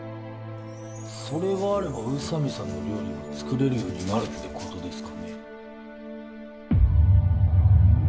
それがあれば宇佐美さんの料理が作れるようになるってことですか